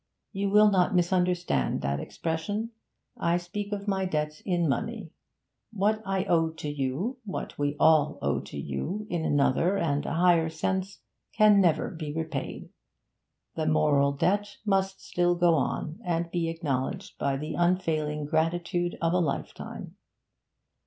You will not misunderstand that expression I speak of my debt in money. What I owe to you what we all owe to you in another and a higher sense, can never be repaid. That moral debt must still go on, and be acknowledged by the unfailing gratitude of a lifetime.'